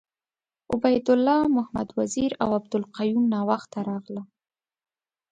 عبید الله محمد وزیر اوعبدالقیوم ناوخته راغله .